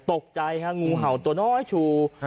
ตกใจฮะงูเห่าตัวน้อยชู